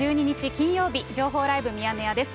金曜日、情報ライブミヤネ屋です。